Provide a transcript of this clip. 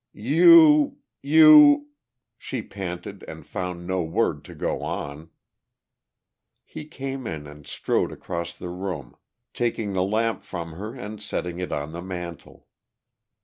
"You ... you ..." she panted, and found no word to go on. He came in and strode across the room, taking the lamp from her and setting it on the mantel.